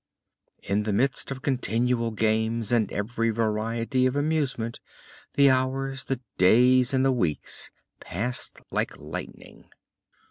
In the midst of continual games and every variety of amusement, the hours, the days and the weeks passed like lightning.